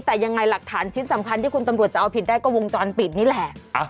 แต่ยังไงหลักฐานชิ้นสำคัญที่คุณตำรวจจะเอาผิดได้ก็วงจรปิดนี่แหละ